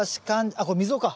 あっこれ溝か。